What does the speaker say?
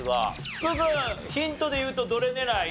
福君ヒントでいうとどれ狙い？